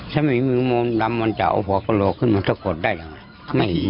ถ้าไม่มีโมงดำมันจะเอาหัวกะโหลกขึ้นมาสะกดได้ไง